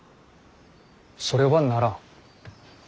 それはならん。